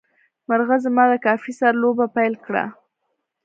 مرغه زما د کافي سره لوبه پیل کړه.